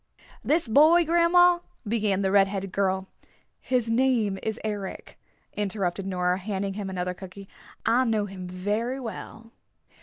"This boy, grandma," began the red headed girl. "His name is Eric," interrupted Nora, handing him another cookie. "I know him very well."